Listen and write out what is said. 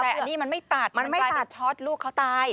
แต่อันนี้มันไม่ตัดมันกลายเป็นช็อตลูกเขาตาย